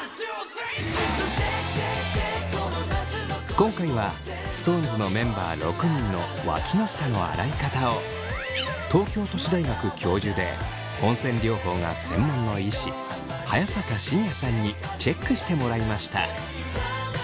今回はＳｉｘＴＯＮＥＳのメンバー６人のわきの下の洗い方を東京都市大学教授で温泉療法が専門の医師早坂信哉さんにチェックしてもらいました。